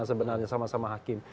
sebenarnya sama sama hakim